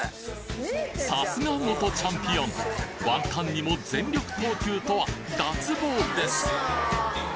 さすが元チャンピオンワンタンにも全力投球とは脱帽です